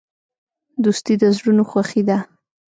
دوستي د زړونو خوښي ده.